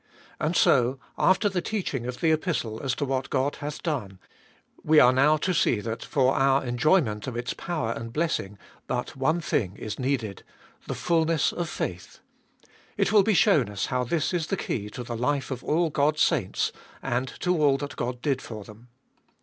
And so, after the teaching of the Epistle as to what God hath done, we are now to see that for our enjoy ment of its power and blessing but one thing is needed — the fulness of faith. It will be shown us how this is the key to the life of all God's saints, and to all that God did for them.